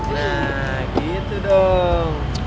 nah gitu dong